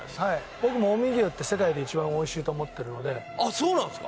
僕も近江牛って世界で一番おいしいと思ってるのであそうなんすか？